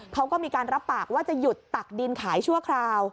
เขาก็มีการรับปากว่าจะหยุดตักดินขายชั่วคราว